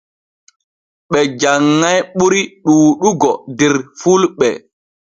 Ɓe janŋay ɓuri ɗuuɗugo der fulɓe.